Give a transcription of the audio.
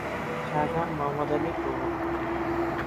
শাহজাহান, মোহাম্মদ আলী প্রমুখ।